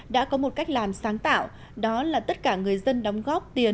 đã có một cách làm sáng tạo đó là tất cả người dân đóng góp tiền